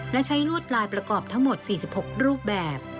และใช้ลวดลายประกอบทั้งหมด๔๖รูปแบบ